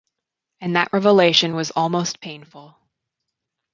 And that revelation was almost painful.